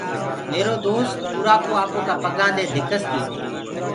ميرو دوست اُرآ ڪوُ آپو ڪآ پگآندي توڪس تي۔